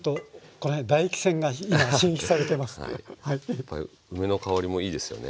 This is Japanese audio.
やっぱり梅の香りもいいですよね。